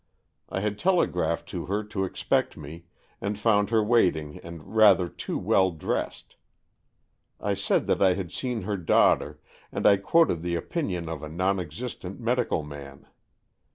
I had telegraphed to her to expect me, and found her waiting and rather too well dressed. I said that I had seen her daughter, and I quoted the opinion of a non existent medical man.